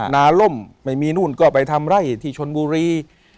นาล่มไม่มีนู่นก็ไปทำไร่ที่ชนบุรี